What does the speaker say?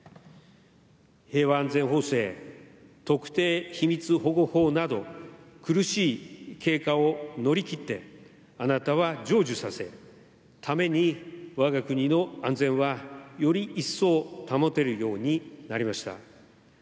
平和安全法制特定秘密保護法など苦しい経過を乗り切ってあなたは成就させために我が国の安全はより一層保てるようになりました。